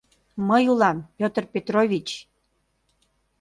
Мый улам, Петр Петрович.